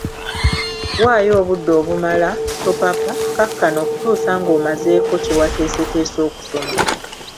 Waayo obudde obumala, topapa, kkakkana okutuusa ng'omazeeko kye wateesetese okusoma.